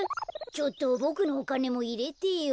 ちょっとボクのおかねもいれてよ。